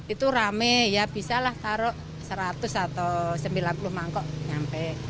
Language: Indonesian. itu rame ya bisalah taruh seratus atau sembilan puluh mangkok sampai